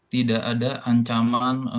tidak ada ancaman